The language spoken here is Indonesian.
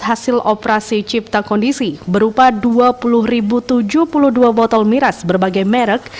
hasil operasi cipta kondisi berupa dua puluh tujuh puluh dua botol miras berbagai merek